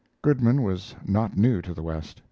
Goodman was not new to the West.